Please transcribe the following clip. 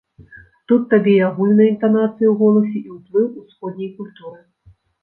Тут табе і агульныя інтанацыі ў голасе, і ўплыў усходняй культуры.